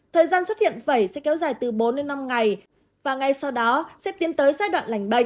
thời gian xuất hiện vẩy sẽ kéo dài từ bốn đến năm ngày và ngay sau đó sẽ tiến tới giai đoạn lành bệnh